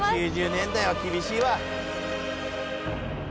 ９０年代は厳しいわ。